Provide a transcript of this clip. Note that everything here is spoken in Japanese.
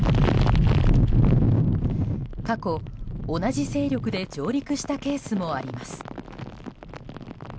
過去、同じ勢力で上陸したケースもあります。